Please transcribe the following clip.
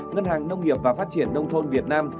ngân hàng nông nghiệp và phát triển nông thôn việt nam